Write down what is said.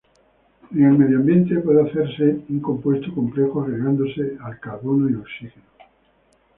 En el medio ambiente puede hacerse un compuesto complejo agregándose el carbono y oxígeno.